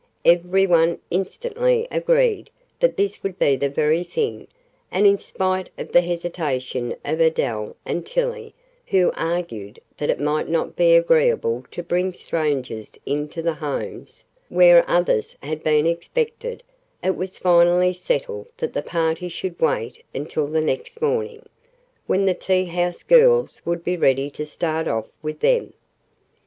Every one instantly agreed that this would be the very thing, and in spite of the hesitation of Adele and Tillie, who argued that it might not be agreeable to bring strangers into the homes where others had been expected, it was finally settled that the party should wait until the next morning, when the tea house girls would be ready to start off with them.